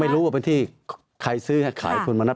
ไม่รู้ว่าเป็นที่ใครซื้อให้ขายคนมานับ